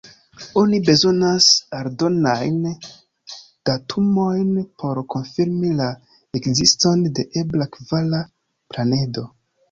Oni bezonas aldonajn datumojn por konfirmi la ekziston de ebla kvara planedo.